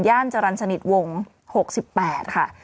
ย่านจรรจนิษฐ์วง๖๘ค่ะ